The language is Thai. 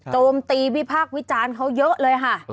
โจมตีวิพากษ์วิจารณ์เขาเยอะเลยค่ะ